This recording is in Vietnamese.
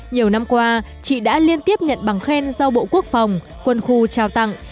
nhiều năm qua chị đã liên tiếp nhận bằng khen do bộ quốc phòng quân khu trao tặng